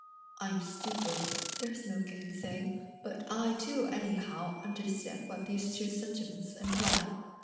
I'm stupid, there's no gainsaying, but I do anyhow understand what these two sentiments imply.